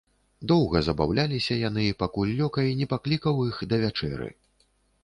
Доўга забаўляліся яны, пакуль лёкай не паклікаў іх да вячэры.